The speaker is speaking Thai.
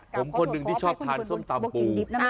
ผมคนหนึ่งที่ชอบทานส้มตำปู